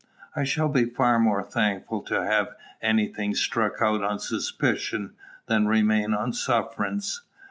I shall be far more thankful to have any thing struck out on suspicion than remain on sufferance.